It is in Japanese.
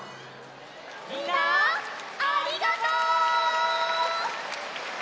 みんなありがとう！